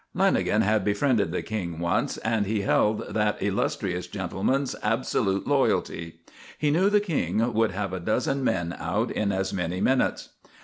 Lanagan had befriended the "King" once, and he held that illustrious gentleman's absolute loyalty. He knew the "King" would have a dozen men out in as many minutes.